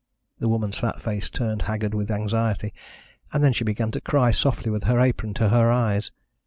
The woman's fat face turned haggard with anxiety, and then she began to cry softly with her apron to her eyes.